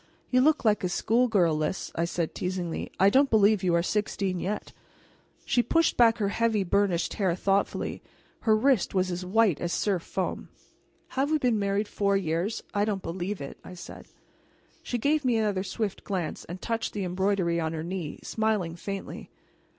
"You look like a schoolgirl, Lys," I said teasingly. "I don't believe you are sixteen yet." She pushed back her heavy burnished hair thoughtfully. Her wrist was as white as surf foam. "Have we been married four years? I don't believe it," I said. She gave me another swift glance and touched the embroidery on her knee, smiling faintly.